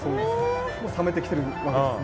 もう冷めてきてるわけですね。